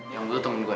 yang butuh temen gue